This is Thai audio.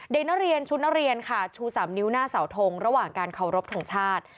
เด็กนักเรียนชุดนักเรียนค่ะชู๓นิ้วหน้าเสาทงระหว่างการเคารพทงชาติ